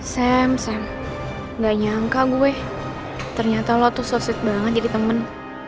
sam sam nggak nyangka gue ternyata lo tuh so sweet banget jadi temen